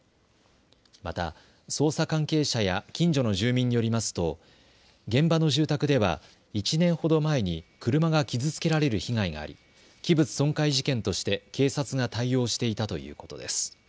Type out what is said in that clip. また捜査関係者や近所の住民によりますと現場の住宅では１年ほど前に車が傷つけられる被害があり器物損壊事件として警察が対応していたということです。